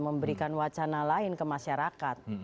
memberikan wacana lain ke masyarakat